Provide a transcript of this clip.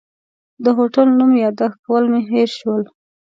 د هوټل نوم یاداښت کول مې هېر شول.